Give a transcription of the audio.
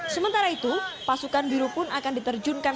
sementara itu pasukan biru pun akan diterjunkan